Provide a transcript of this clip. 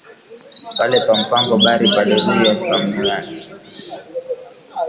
Pale pa mpango, bari paluriya po mayani